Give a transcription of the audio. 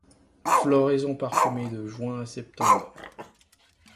Floraison parfumée de juin à septembre.